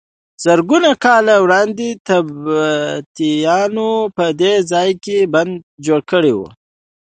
زرګونه کاله وړاندې نبطیانو په دې ځای کې بند جوړ کړی و.